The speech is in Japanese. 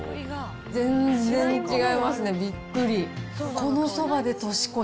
全然違いますね、びっくり。